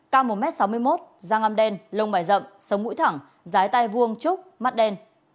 cao một m sáu mươi một da ngăm đen lông bài rậm sống mũi thẳng giái tay vuông trúc mắt đen